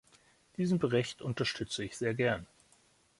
Diesen Bericht unterstütze ich sehr gern.